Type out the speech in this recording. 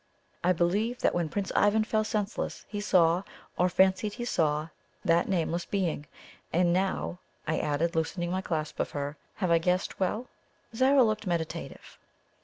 I believe that when Prince Ivan fell senseless, he saw, or fancied he saw, that nameless being. And now," I added, loosening my clasp of her, "have I guessed well?" Zara looked meditative.